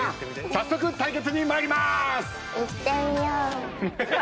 早速対決に参りまーす！